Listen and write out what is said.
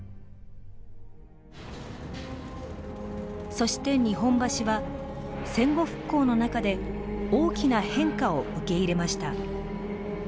そして日本橋は戦後復興の中で大きな変化を受け入れました。